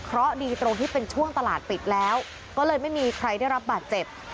เพราะดีตรงที่เป็นช่วงตลาดปิดแล้วก็เลยไม่มีใครได้รับบาดเจ็บ